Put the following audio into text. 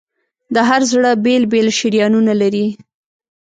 د هر زړه بېل بېل شریانونه لري.